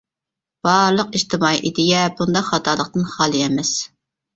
بارلىق ئىجتىمائىي ئىدىيە بۇنداق خاتالىقتىن خالىي ئەمەس.